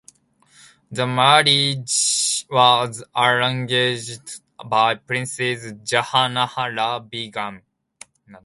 The marriage was arranged by Princess Jahanara Begum.